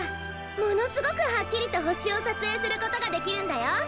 ものすごくはっきりとほしをさつえいすることができるんだよ。